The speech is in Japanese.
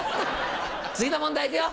次の問題いくよ！